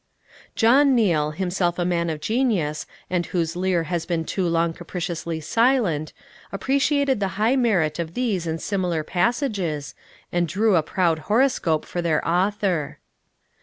John Neal, himself a man of genius, and whose lyre has been too long capriciously silent, appreciated the high merit of these and similar passages, and drew a proud horoscope for their author.